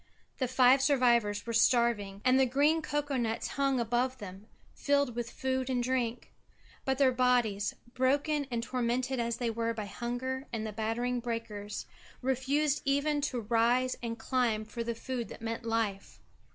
The five survivors were starving, and the green cocoa nuts hung above them, filled with food and drink. But their bodies, broken and tormented as they were by hunger and the battering breakers, refused even to rise and climb for the food that meant life.